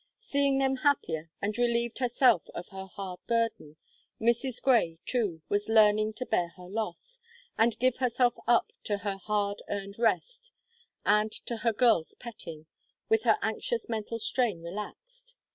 Seeing them happier, and relieved herself of her hard burden, Mrs. Grey, too, was learning to bear her loss, and give herself up to her hard earned rest and to her girls' petting, with her anxious mental strain relaxed.